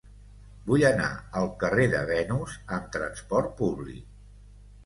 Vull anar al carrer de Venus amb trasport públic.